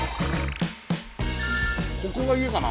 ここが家かな？